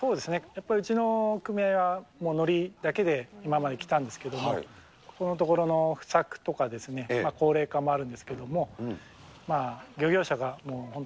やっぱりうちの組合はノリだけで今まで来たんですけども、ここのところの不作とかですね、高齢化もあるんですけども。